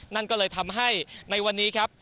นั่นก็เลยทำให้ในวันนี้ครับ